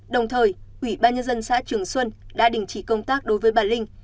đồng thời ủy ban nhân dân xã trường xuân đã đình chỉ công tác đối với bà linh